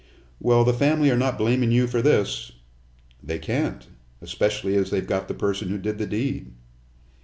"Well, the family are not blaming you for this." "They can't especially as they've got the person who did the deed."